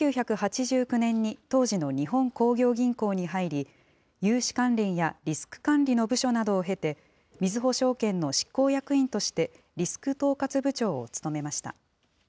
１９８９年に当時の日本興業銀行に入り、融資関連やリスク管理の部署などを経て、みずほ証券の執行役員としてリスク統括部長を務めました。